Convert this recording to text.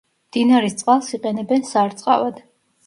მდინარის წყალს იყენებენ სარწყავად.